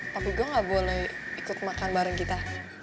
tapi gue gak boleh ikut makan bareng kita